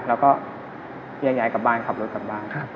แล้วก็แยกย้ายกลับบ้านขับรถกลับบ้าน